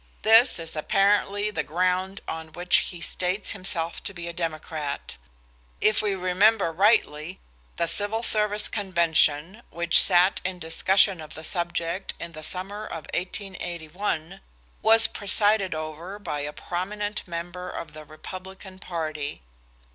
This is apparently the ground on which he states himself to be a Democrat. If we remember rightly, the Civil Service Convention, which sat in discussion of the subject in the summer of 1881, was presided over by a prominent member of the Republican party.